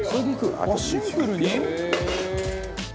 「あっシンプルに？」